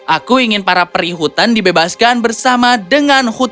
aku ingin para perihutan dibebaskan bersama dengan raja hammer